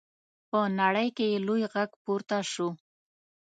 په نړۍ کې یې لوی غږ پورته شو.